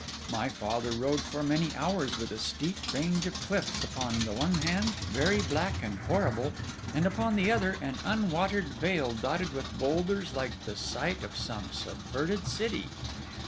My father rode for many hours with a steep range of cliffs upon the one hand, very black and horrible; and upon the other an unwatered vale dotted with boulders like the site of some subverted city.